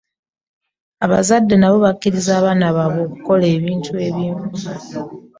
abazadde nabo bakirizisa abaana baabwe okukola ebintu ebimu.